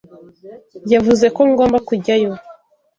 Yavuze ko ngomba kujyayo.